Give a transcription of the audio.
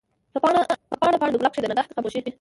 په پاڼه ، پاڼه دګلاب کښي د نګهت خاموشی